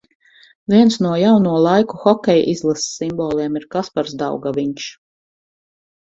Viens no jauno laiku hokeja izlases simboliem ir Kaspars Daugaviņš.